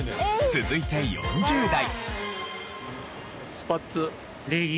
続いて５０代。